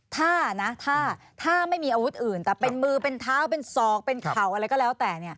ถ้านะถ้าไม่มีอาวุธอื่นแต่เป็นมือเป็นเท้าเป็นศอกเป็นเข่าอะไรก็แล้วแต่